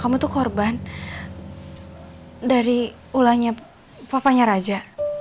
kamu tuh korban dari ulanya papanya raja